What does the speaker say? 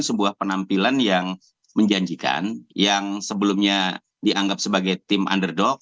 sebuah penampilan yang menjanjikan yang sebelumnya dianggap sebagai tim underdog